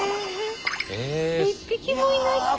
一匹もいないって。